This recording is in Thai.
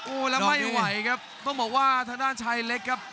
โอ้โหแล้วไม่ไหวครับต้องบอกว่าทางด้านชายเล็กครับ